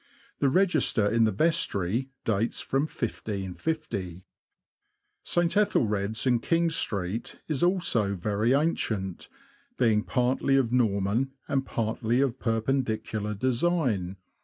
The register in the vestry dates from 1550. St. Etheldred's, in King Street, is also very ancient, being partly of Norman and partly of Perpendicular design.